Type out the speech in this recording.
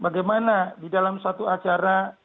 bagaimana di dalam satu acara